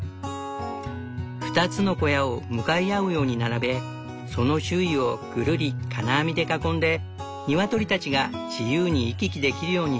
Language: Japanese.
２つの小屋を向かい合うように並べその周囲をぐるり金網で囲んでニワトリたちが自由に行き来できるようにした。